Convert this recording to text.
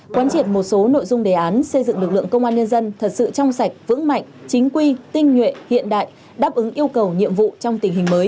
quán triệt một số nội dung đề án xây dựng lực lượng công an nhân dân thật sự trong sạch vững mạnh chính quy tinh nhuệ hiện đại đáp ứng yêu cầu nhiệm vụ trong tình hình mới